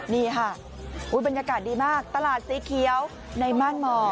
นี่ค่ะบรรยากาศดีมากตลาดสีเขียวในม่านหมอ